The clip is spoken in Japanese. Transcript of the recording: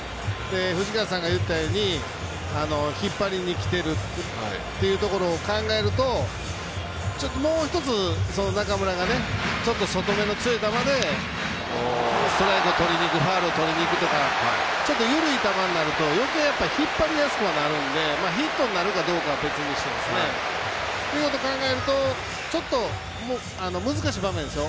藤川さんが言ったように引っ張りにきているというところを考えるともう１つ、中村が外めの強い球でストライクをとりにいくファウルをとりにいくとかちょっと緩い球になるとよけい、引っ張りやすくはなるんでヒットになるかどうかは別にしてですね。ということを考えると難しい場面ですよ。